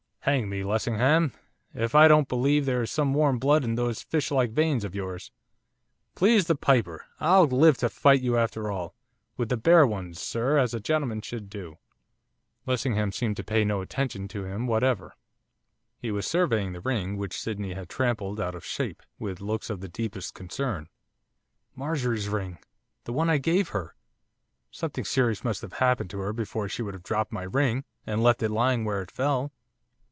'Hang me, Lessingham, if I don't believe there is some warm blood in those fishlike veins of yours. Please the piper, I'll live to fight you after all, with the bare ones, sir, as a gentleman should do.' Lessingham seemed to pay no attention to him whatever. He was surveying the ring, which Sydney had trampled out of shape, with looks of the deepest concern. 'Marjorie's ring! The one I gave her! Something serious must have happened to her before she would have dropped my ring, and left it lying where it fell.